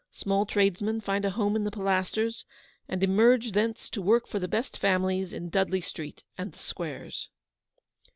Small tradesmen find a home in the Pilasters, and emerge thence to work for the best families in Dudley Street and "the Squares."